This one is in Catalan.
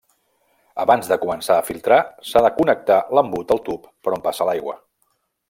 Abans de començar a filtrar s'ha de connectar l'embut al tub per on passa l'aigua.